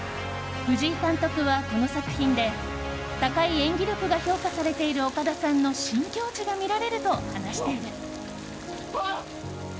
藤井監督は、この作品で高い演技力が評価されている岡田さんの新境地が見られると話している。